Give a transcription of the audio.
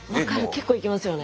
結構いきますよね。